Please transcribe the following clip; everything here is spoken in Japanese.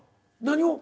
何を？